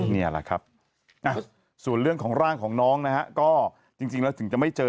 นี่แหละครับส่วนเรื่องของร่างของน้องนะฮะก็จริงแล้วถึงจะไม่เจอ